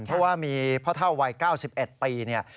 เพราะว่ามีพ่อเท่าวัย๙๑ปี